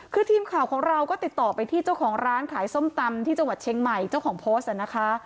คือทีมข่าวของเราก็ติดต่อไปที่เจ้าของร้านขายส้มตำที่จังหวัดเชียงใหม่เจ้าของโพสต์นะคะ